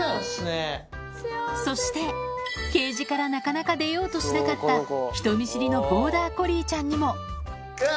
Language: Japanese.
そしてケージからなかなか出ようとしなかったボーダーコリーちゃんにもうわ！